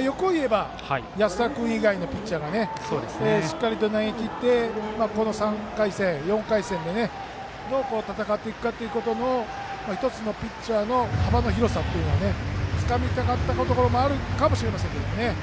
欲を言えば安田君以外にもピッチャーがしっかりと投げきって３回戦、４回戦どう戦っていくかというところの１つのピッチャーの幅の広さというところをつかみたかったところがあるかもしれないですけどね。